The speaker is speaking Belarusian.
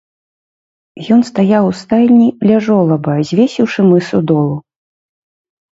Ён стаяў у стайні ля жолаба, звесіўшы мысу долу.